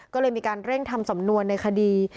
ก็เลยมีการเร่งทำสำนวนในคดี